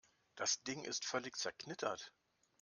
Das Ding ist völlig zerknittert.